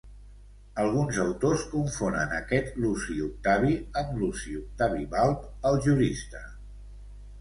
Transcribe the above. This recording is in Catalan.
Alguns autors confonen aquest Luci Octavi amb Luci Octavi Balb, el jurista.